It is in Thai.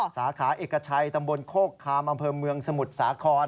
สาขาเอกชัยตำบลโคกคามังเพิร์มเมืองสมุทรสาขร